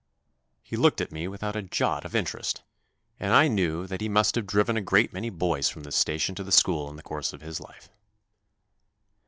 He looked at me without a jot of 52 THE NEW BOY interest, and I knew that he must have driven a great many boys from the station to the school in the course of his life.